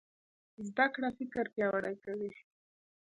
زده کړه فکر پیاوړی کوي.